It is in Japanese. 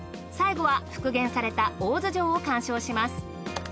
最後は復元された大洲城を鑑賞します。